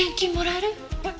えっ？